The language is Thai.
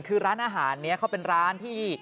คือร้านอาหารนี้เขาเป็นร้านที่